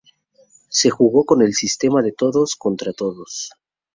Se jugó con el sistema de todos contra todos.